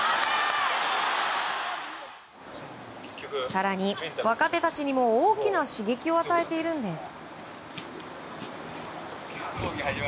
更に、若手たちにも大きな刺激を与えているんです。